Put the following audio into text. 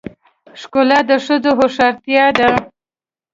ښکلا د ښځې هوښیارتیا ده .